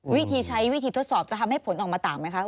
วิธีใช้วิธีทดสอบจะทำให้ผลออกมาต่างไหมคะ